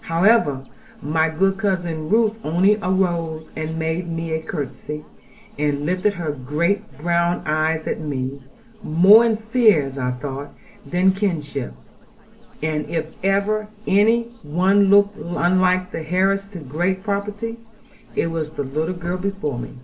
However, my good cousin Ruth only arose, and made me a curtsey, and lifted her great brown eyes at me, more in fear, as I thought, than kinship. And if ever any one looked unlike the heiress to great property, it was the little girl before me.